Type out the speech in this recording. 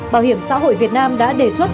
bảo hiểm xã hội việt nam đã đề xuất